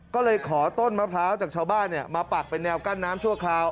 ก็เลยขอต้นมะพร้าวจากชาวบ้านมาปักเป็นแนวกั้นน้ำชั่วคราว